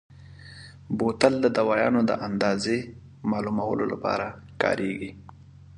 بوتل د دوایانو د اندازې معلومولو لپاره کارېږي.